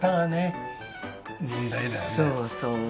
そうそう。